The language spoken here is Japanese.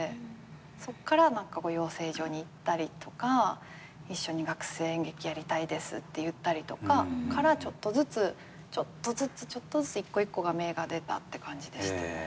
そっから養成所に行ったりとか一緒に学生演劇やりたいですっていったりとかからちょっとずつちょっとずつちょっとずつ１個１個が芽が出たって感じ。